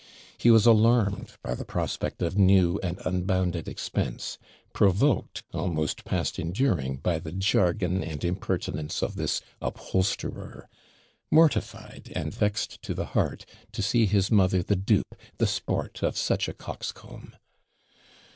He was alarmed by the prospect of new and unbounded expense; provoked, almost past enduring, by the jargon and impertinence of this upholsterer; mortified and vexed to the heart to see his mother the dupe, the sport of such a coxcomb.